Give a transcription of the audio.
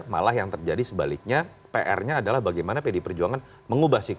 malah yang terjadi sebaliknya pr nya adalah bagaimana pdi perjuangan mengubah sikap